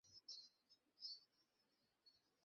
নিজে তা থেকে বেঁচে থাকুন।